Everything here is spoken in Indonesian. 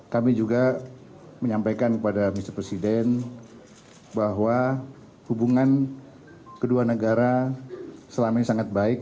kami juga menyampaikan kepada misi presiden bahwa hubungan kedua negara selama ini sangat baik